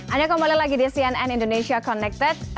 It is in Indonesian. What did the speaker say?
anda kembali lagi di cnn indonesia connected